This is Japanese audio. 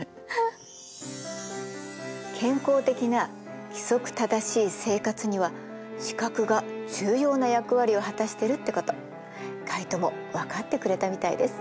健康的な規則正しい生活には視覚が重要な役割を果たしてるってことカイトも分かってくれたみたいです。